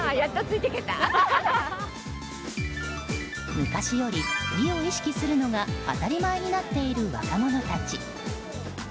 昔より、美を意識するのが当たり前になっている若者たち。